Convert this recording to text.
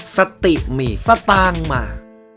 สติมีสตางค์มา